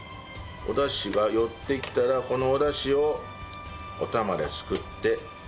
おダシが寄ってきたらこのおダシをおたまですくってかける。